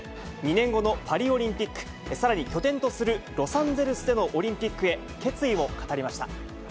２年後のパリオリンピック、さらに拠点とするロサンゼルスでのオリンピックへ、決意を語りました。